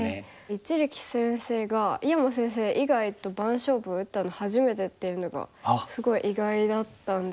一力先生が井山先生以外と番勝負打ったの初めてっていうのがすごい意外だったんですけど。